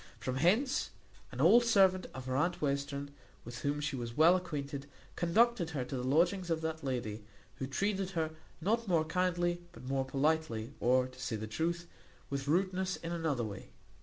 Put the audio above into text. From hence, an old servant of her aunt Western, with whom she was well acquainted, conducted her to the lodgings of that lady, who treated her not more kindly, but more politely; or, to say the truth, with rudeness in another way.